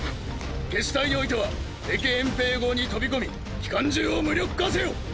決死隊においては敵掩蔽壕に飛び込み機関銃を無力化せよ！